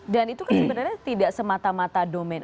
dan itu kan sebenarnya tidak semata mata domain